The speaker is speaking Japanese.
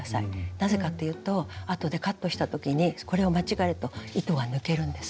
なぜかというとあとでカットした時にこれを間違えると糸が抜けるんです。